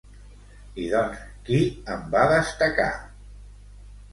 I doncs, qui en va destacar?